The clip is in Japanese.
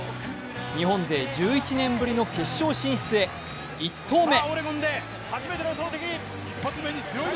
日本勢１１年ぶりの決勝進出へ、１投目６４ｍ３２。